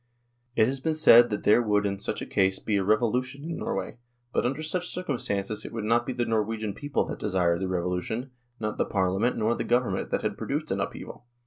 It has been said that there would in such a case be a revolu tion in Norway ; but under such circumstances it would not be the Norwegian people that desired the revolution, not the Parliament nor the Government that had produced an upheaval.